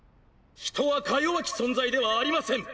人はか弱き存在ではありません！